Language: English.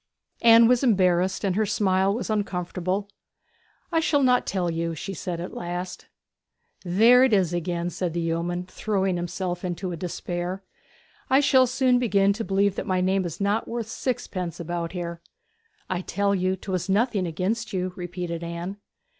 Anne was embarrassed, and her smile was uncomfortable. 'I shall not tell you,' she said at last. 'There it is again!' said the yeoman, throwing himself into a despair. 'I shall soon begin to believe that my name is not worth sixpence about here!' 'I tell you 'twas nothing against you,' repeated Anne.